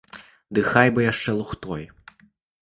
Ды хай бы яшчэ лухтой.